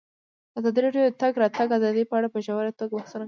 ازادي راډیو د د تګ راتګ ازادي په اړه په ژوره توګه بحثونه کړي.